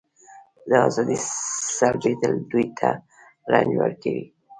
د ازادۍ سلبېدل دوی ته رنځ ورکوي.